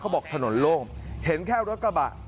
บอกถนนโล่งเห็นแค่รถกระบะ